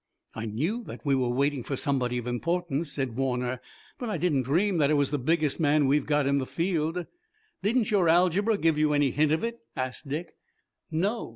"I knew that we were waiting for somebody of importance," said Warner, "but I didn't dream that it was the biggest man we've got in the field." "Didn't your algebra give you any hint of it?" asked Dick. "No.